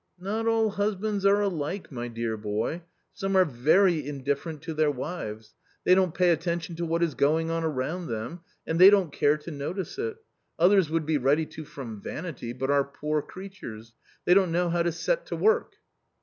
" Not all husbands are alike, my dear boy : some are very indifferent to their wives ; they don't pay attention to what is going on around them and they don't care to notice it ; others would be ready to from vanity, but are poor creatures; they don't know how to set to work."